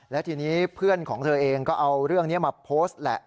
และทีนี้เพื่อนของเธอเองก็เอาเรื่องนี้มาโพสต์แหละ